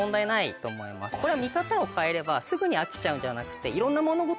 これは見方を変えればすぐに飽きちゃうんじゃなくて。